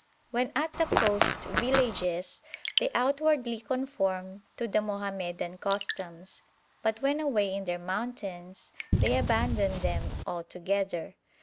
When at the coast villages they outwardly conform to the Mohammedan customs, but when away in their mountains they abandon them altogether.